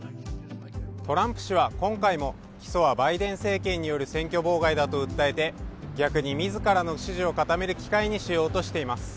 トランプ氏は今回も起訴はバイデン政権による選挙妨害だと訴えて、逆に自らの支持を固める機会にしようとしています。